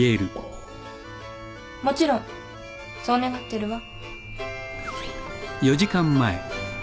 もちろんそう願ってるわ。